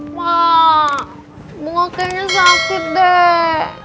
wah bunga kayaknya sakit deh